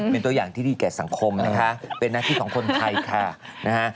เป็นตัวอย่างที่ดีแก่สังคมนะคะเป็นหน้าที่ของคนไทยค่ะนะฮะ